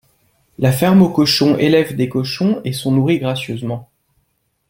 La ferme aux cochons élèvent des cochons et sont nourris gracieusement